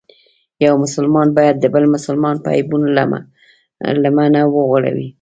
یو مسلمان باید د بل مسلمان په عیبونو لمنه وغوړوي.